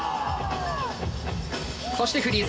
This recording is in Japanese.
そしてフリーズ。